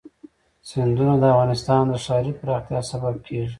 سیندونه د افغانستان د ښاري پراختیا سبب کېږي.